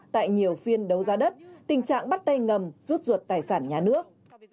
tại nhiều phiên đấu giá đất tình trạng bắt tay ngầm rút ruột tài sản nhà nước